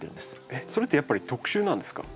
えっそれってやっぱり特殊なんですか？